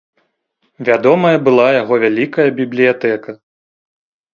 Вядомая была яго вялікая бібліятэка.